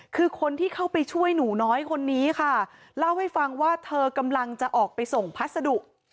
คือคนที่เข้าไปช่วยหนูน้อยคนนี้ค่ะเล่าให้ฟังว่าเธอกำลังจะออกไปส่งพัสดุ